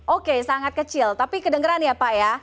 oke sangat kecil tapi kedengeran ya pak ya